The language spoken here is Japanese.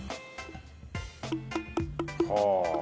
はあ。